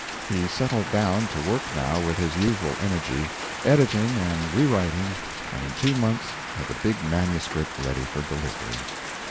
He settled down to work now with his usual energy, editing and rewriting, and in two months had the big manuscript ready for delivery.